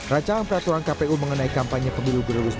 rancangan peraturan kpu mengenai kampanye pemilu dua ribu sembilan belas